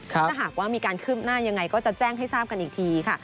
ถ้าหากว่ามีการคืบหน้ายังไงก็จะแจ้งให้ทราบกันอีกทีค่ะ